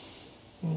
うん。